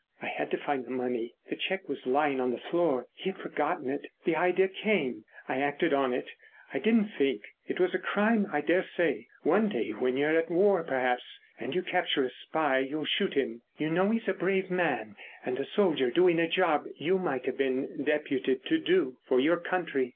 I had to find the money. The cheque was lying on the floor, he had forgotten it. The idea came. I acted on it. I didn't think. It was a crime, I daresay. One day, when you're at war, perhaps, and you capture a spy you'll shoot him. You know he's a brave man and a soldier doing a job you might have been deputed to do for your country.